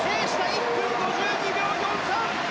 １分５２秒４３。